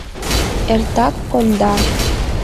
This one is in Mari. Эртак конда...